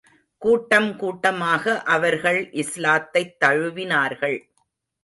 கூட்டம் கூட்டமாக அவர்கள் இஸ்லாத்தைத் தழுவினார்கள்.